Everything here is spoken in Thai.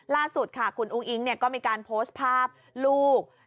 ล่าสุดค่ะคุณอุ้งอิ๊งก็มีการโพสต์ภาพลูก